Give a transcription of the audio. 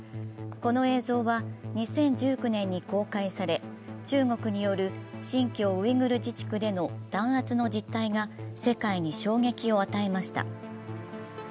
この映像は２０１９年に公開され、中国による新疆ウイグル自治区での弾圧の実態が世界に衝撃を与えました。